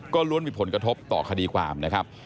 ก็ล้วนมีผลกระทบต่อคดีความนะครับ